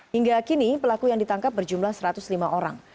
hingga kini pelaku yang ditangkap berjumlah satu ratus lima orang